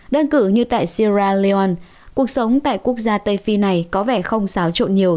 đơn cử như tại sierra leonarn cuộc sống tại quốc gia tây phi này có vẻ không xáo trộn nhiều